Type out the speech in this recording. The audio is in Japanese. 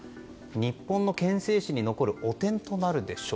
日本の憲政史に残る汚点となるでしょう。